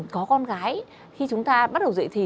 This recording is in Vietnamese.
có con gái khi chúng ta bắt đầu dạy thì